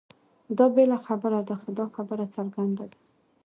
دا بېله خبره ده؛ خو دا خبره څرګنده ده،